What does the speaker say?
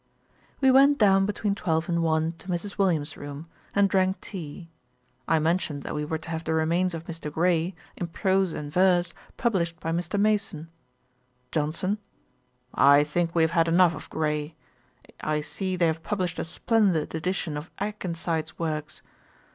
We went down between twelve and one to Mrs. Williams's room, and drank tea. I mentioned that we were to have the remains of Mr. Gray, in prose and verse, published by Mr. Mason. JOHNSON. 'I think we have had enough of Gray. I see they have published a splendid edition of Akenside's works.